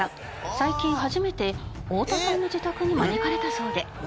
最近初めて太田さんの自宅に招かれたそうで。